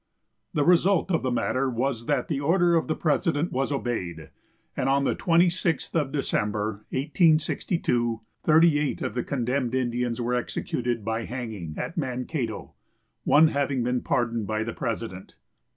The result of the matter was that the order of the president was obeyed, and on the 26th of December, 1862, thirty eight of the condemned Indians were executed, by hanging, at Mankato, one having been pardoned by the president.